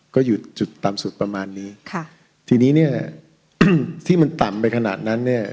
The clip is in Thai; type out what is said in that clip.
ก็หยุดจุดต่ำสุดประมาณนี้ค่ะทีนี้เนี่ยอืมที่มันต่ำไปขนาดนั้นเนี่ย